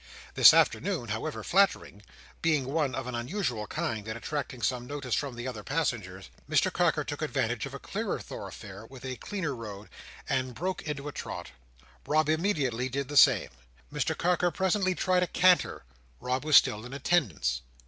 This attention, however flattering, being one of an unusual kind, and attracting some notice from the other passengers, Mr Carker took advantage of a clearer thoroughfare and a cleaner road, and broke into a trot. Rob immediately did the same. Mr Carker presently tried a canter; Rob was still in attendance.